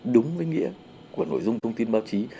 đúng với nghĩa của nội dung thông tin báo chí